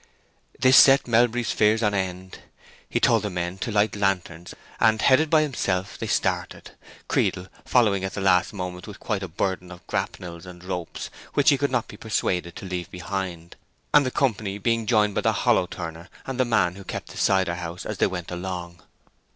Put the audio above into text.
This set Melbury's fears on end. He told the men to light lanterns, and headed by himself they started, Creedle following at the last moment with quite a burden of grapnels and ropes, which he could not be persuaded to leave behind, and the company being joined by the hollow turner and the man who kept the cider house as they went along.